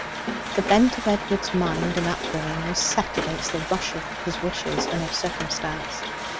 The bent of Edward's mind and upbringing was set against the rush of his wishes and of circumstance.